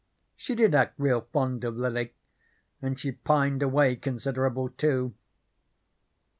She did act real fond of Lily, and she pined away considerable, too.